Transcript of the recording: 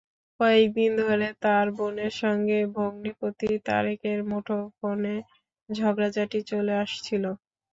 কয়েক দিন ধরে তাঁর বোনের সঙ্গে ভগ্নিপতি তারেকের মুঠোফোনে ঝগড়াঝাঁটি চলে আসছিল।